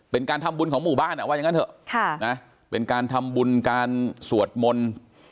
เป็นการทำบุญของหมู่บ้านว่าอย่างนั้นเถอะเป็นการทำบุญการสวดมนต์